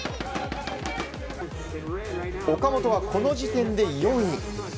岡本はこの時点で４位。